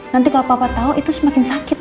nanti kalau papa tahu itu semakin sakit